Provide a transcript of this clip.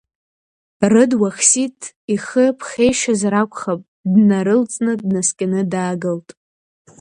Рыд Уахсиҭ ихы ԥхеишьазар акәхап, днарылҵны, днаскьаны даагылт.